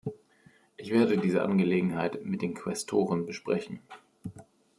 Ich werde diese Angelegenheit mit den Quästoren besprechen.